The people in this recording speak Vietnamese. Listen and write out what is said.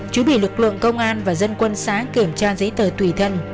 chứ bị lực lượng công an và dân quân xã kiểm tra giấy tờ tùy thân